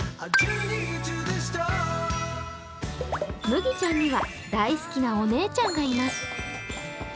むぎちゃんには大好きなお姉ちゃんがいます。